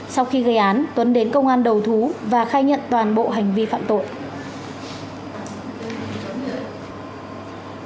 sau khi gây án tuấn đến công an đầu thú và khai nhận toàn bộ hành vi phạm tội